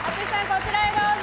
こちらへどうぞ。